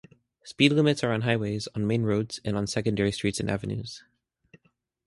Speed limits are on highways, on main roads, and on secondary streets and avenues.